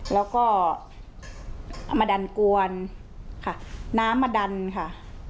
แล้วก็เอามาดันกวนค่ะน้ำมาดันค่ะ